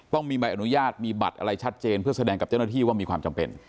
ต้องมีใบอนุญาตมีบัตรอะไรชัดเจนเพื่อแสดงกับเจ้าหน้าที่ว่ามีความจำเป็น